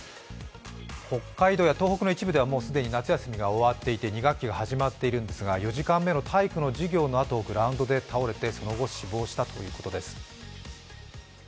北海道や東北の一部では、もう既に夏休みが終わっていて、２学期が始まっているんですが４時間目の体育の授業のあとグラウンドで倒れてその後、死亡したということです。